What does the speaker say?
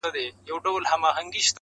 خبر سوم چي یو څرک یې لېونیو دی میندلی!